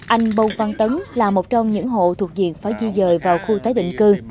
anh bâu văn tấn là một trong những hộ thuộc diện phải di rời vào khu tái định cư